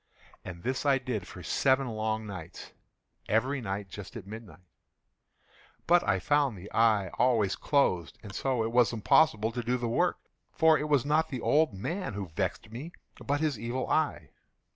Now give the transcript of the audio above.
And this I did for seven long nights—every night just at midnight—but I found the eye always closed; and so it was impossible to do the work; for it was not the old man who vexed me, but his Evil Eye.